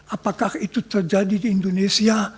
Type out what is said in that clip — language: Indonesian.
apakah itu terjadi di indonesia